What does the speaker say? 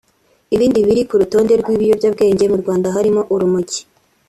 Ibindi biri ku rutonde rw’ibiyobyabwenge mu Rwanda harimo Urumogi